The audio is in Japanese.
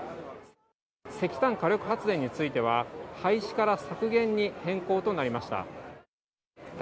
石炭火力発電については、廃止から削減に変更となりました。